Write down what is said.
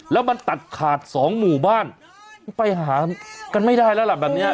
แล้วมันตัดขาดสองหมู่บ้านไปหากันไม่ได้แล้วล่ะแบบนี้